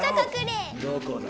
どこだ？